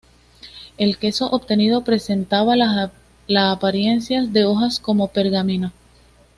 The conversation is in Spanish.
El queso obtenido presentaba la apariencias de hojas como de pergamino.